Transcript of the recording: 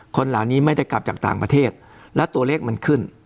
คนเหล่านี้ไม่ได้กลับจากต่างประเทศและตัวเลขมันขึ้น